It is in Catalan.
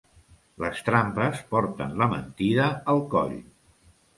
Les trampes porten la mentida al coll.